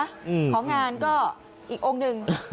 ของงานก็อีกองค์หนึ่ง